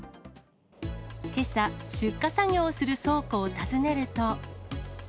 けさ、出荷作業をする倉庫を訪ねると。